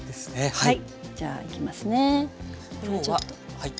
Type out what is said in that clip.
はい。